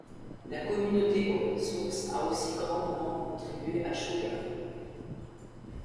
La communauté open source a aussi grandement contribué à Sugar.